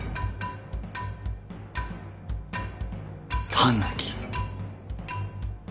狸。